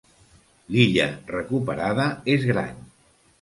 L'illa recuperada és gran.